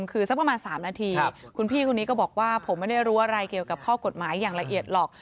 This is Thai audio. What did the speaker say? คือสักประมาณ๓นาทีคุณพี่คนนี้ก็บอกว่าผมไม่ได้รู้อะไรเกี่ยวกับข้อกฎหมายอย่างละเอียดหรอก